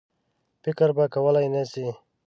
فکر به کولای نه سي.